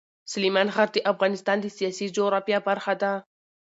سلیمان غر د افغانستان د سیاسي جغرافیه برخه ده.